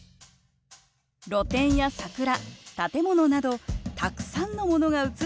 露店や桜建物などたくさんのものが写った写真。